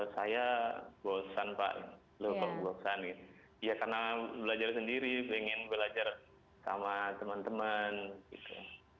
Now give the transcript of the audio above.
saya bosan pak loh kok bosan gitu ya karena belajar sendiri pengen belajar sama teman teman gitu